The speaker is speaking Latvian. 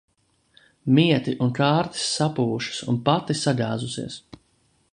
Mieti un kārtis sapuvušas un pati sagāzusies.